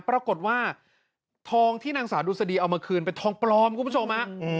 ปรากฏว่าทองที่นางศาดุษฎีเอามาคืนเป็นทองปลอม